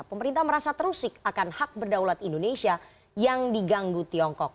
pemerintah merasa terusik akan hak berdaulat indonesia yang diganggu tiongkok